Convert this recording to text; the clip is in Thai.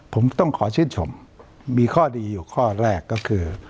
ผมต้องขอชื่นชมมีข้อดีอยู่ข้อแรกก็คือ